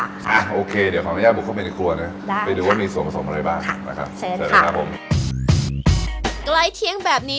อ่าโอเคเดี๋ยวขออนุญาตบุคคลมในครัวนะ